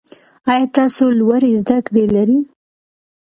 آیا تاسو لوړي زده کړي لرئ؟